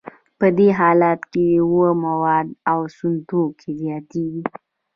په دې حالت کې اومه مواد او سون توکي زیاتېږي